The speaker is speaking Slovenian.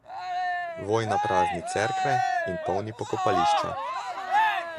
Vojna prazni cerkve in polni pokopališča.